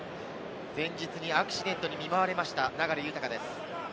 前日にアクシデントに見舞われました、流大です。